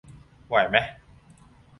ไหวมะ